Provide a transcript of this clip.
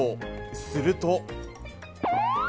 すると。